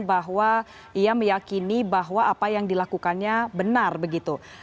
bahwa ia meyakini bahwa apa yang dilakukannya benar begitu